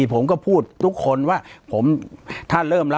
ปากกับภาคภูมิ